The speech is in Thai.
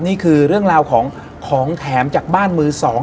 นี่คือเรื่องราวของของแถมจากบ้านมือสอง